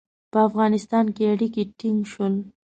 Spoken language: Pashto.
په افغانستان کې اړیکي ټینګ شول.